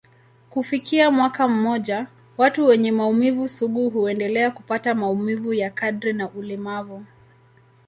Kufikia mwaka mmoja, watu wenye maumivu sugu huendelea kupata maumivu ya kadri na ulemavu.